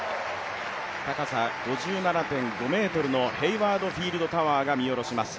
高さ５７．５ｍのヘイワード・フィールドタワーが見下ろします。